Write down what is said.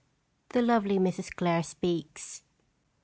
THE LOVELY MRS. CLARE SPEAKS.